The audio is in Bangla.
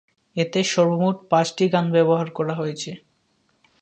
এতে সর্বমোট পাঁচটি গান ব্যবহার করা হয়েছে।